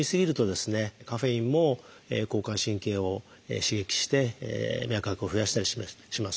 カフェインも交感神経を刺激して脈拍を増やしたりします。